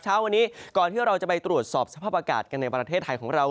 เช้าวันนี้ก่อนที่เราจะไปตรวจสอบสภาพอากาศกันในประเทศไทยของเรา